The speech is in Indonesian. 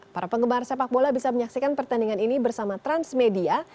para penggemar sepak bola bisa menyaksikan pertandingan ini bersama transmedia